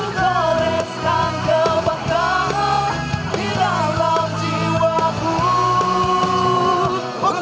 ku koleskan kebanggaan di dalam jiwaku